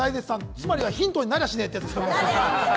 つまりはヒントになりゃしねえってやつですね。